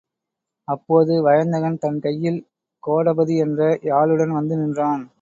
அப்போது வயந்தகன் தன்கையில் கோடபதி என்ற யாழுடன் வந்து நின்றான்.